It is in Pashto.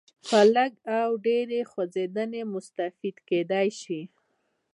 په لږ و ډېرې خوځېدنې مستفید کېدای شي.